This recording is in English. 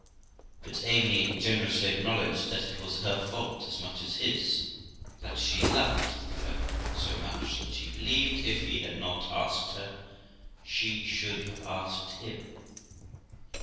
But Amy generously acknowledged that it was her fault as much as his ; that she loved the fellow so much that she believed, if he had not asked her she should have asked him.